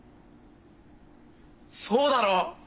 そうだろ？